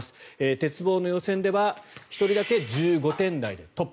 鉄棒の予選では１人だけ１５点台でトップ。